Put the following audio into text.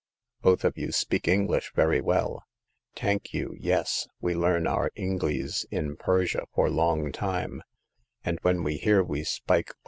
Both of you speak English very well." Tank you, yes ; we learn our Inglees in Persia for long time ; and when we here we spike a/wa/s— always.